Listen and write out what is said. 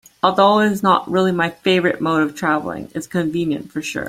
Although it is not really my favorite mode of traveling, it's convenient for sure.